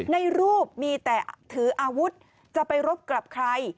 ในรูปมีแต่ถืออาวุธจะไปรบกับใคร